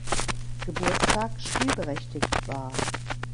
Geburtstag spielberechtigt war.